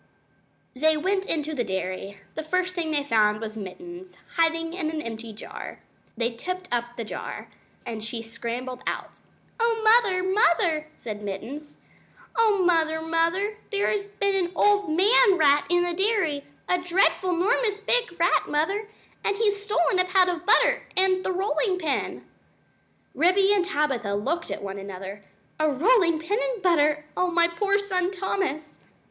They went into the dairy. The first thing they found was Mittens, hiding in an empty jar. They tipped over the jar, and she scrambled out. "Oh, Mother, Mother!" said Mittens "Oh! Mother, Mother, there has been an old man rat in the dairy a dreadful 'normous big rat, Mother; and he's stolen a pat of butter and the rolling pin." Ribby and Tabitha looked at one another. "A rolling pin and butter! Oh, my poor son Thomas!"